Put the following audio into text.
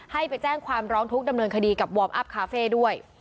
ให้ไปแจ้งความร้องทุกข์ดำเนินคดีกับวอร์มอัพคาเฟ่ด้วย